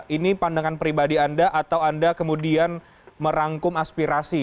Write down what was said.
ini pandangan pribadi anda atau anda kemudian merangkum aspirasi